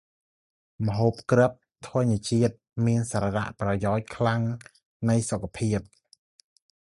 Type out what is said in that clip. ម្ហូបគ្រាប់ធនជាតិ មានសារៈប្រយោជន៏យ៉ាងខ្លាំងនៃសុខភាព ។